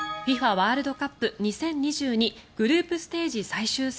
ワールドカップ２０２２グループステージ最終戦。